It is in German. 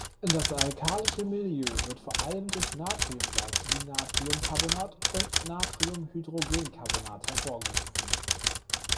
Das alkalische Milieu wird vor allem durch Natriumsalze wie Natriumcarbonat und Natriumhydrogencarbonat hervorgerufen.